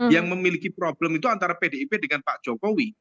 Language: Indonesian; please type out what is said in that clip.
yang memiliki problem itu antara pdip dengan pak jokowi